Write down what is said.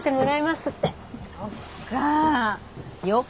そっか。